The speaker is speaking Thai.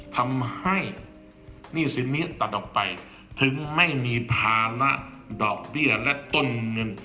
ทำให้หนี้สินนี้ตัดออกไปถึงไม่มีภาระดอกเบี้ยและต้นเงิน